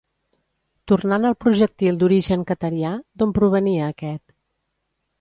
Tornant al projectil d'origen qatarià, d'on provenia aquest?